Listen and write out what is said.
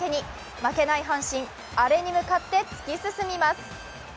負けない阪神、アレに向かって突き進みます。